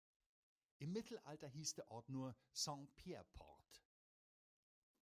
Im Mittelalter hieß der Ort nur "Saint Pierre Port".